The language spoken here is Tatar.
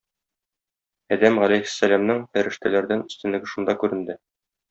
Адәм галәйһиссәламнең фәрештәләрдән өстенлеге шунда күренде.